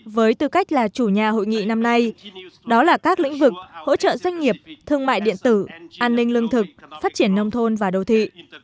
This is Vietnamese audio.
với tư cách là chủ nhà hội nghị năm nay đó là các lĩnh vực hỗ trợ doanh nghiệp thương mại điện tử an ninh lương thực phát triển nông thôn và đô thị